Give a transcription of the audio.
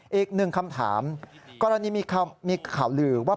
อีกหนึ่งคำถามกรณีมีข่าวลือว่า